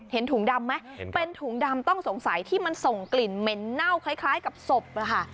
ถุงดำไหมเป็นถุงดำต้องสงสัยที่มันส่งกลิ่นเหม็นเน่าคล้ายกับศพนะคะ